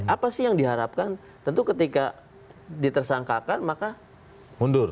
apa sih yang diharapkan tentu ketika ditersangkakan maka mundur